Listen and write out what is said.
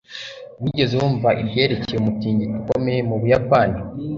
wigeze wumva ibyerekeye umutingito ukomeye mu buyapani